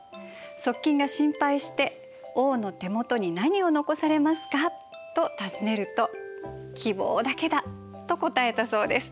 側近が心配して「王の手元に何を残されますか」と尋ねると「希望だけだ」と答えたそうです。